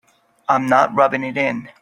I'm not rubbing it in.